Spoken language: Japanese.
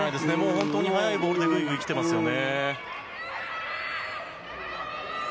本当に速いボールでぐいぐい来てますよね。